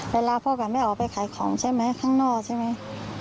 เวลาพ่อกับแม่ออกไปขายของใช่ไหมข้างนอกใช่ไหม